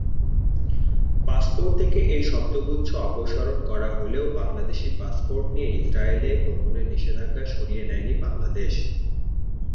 Passport থেকে এই শব্দগুচ্ছ অপসারণ করা হলেও বাংলাদেশি পাসপোর্ট নিয়ে ইসরায়েলে ভ্রমণের নিষেধাজ্ঞা সরিয়ে নেয়নি বাংলাদেশ।